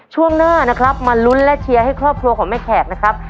ช่วงหน้านะครับมาลุ้นและเชียร์ให้ครอบครัวของแม่แขกนะครับ